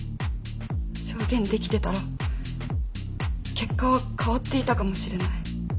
証言できてたら結果は変わっていたかもしれない。